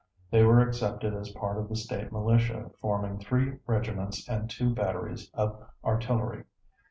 They were accepted as part of the State militia forming three regiments and two batteries of artillery.